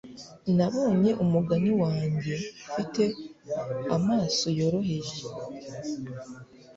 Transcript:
Nabonye umugani wanjye ufite amaso yoroheje